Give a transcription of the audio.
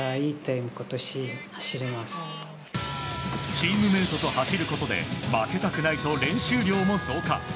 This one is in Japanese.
チームメートと走ることで負けたくないと練習量も増加。